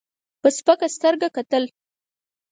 په سپکه سترګه کتل.